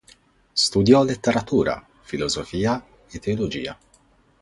Studiò letteratura, filosofia e teologia.